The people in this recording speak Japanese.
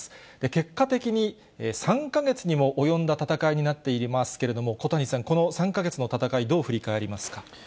結果的に、３か月にも及んだ戦いになっていますけれども、小谷さん、この３か月の戦い、どう振り返りますか。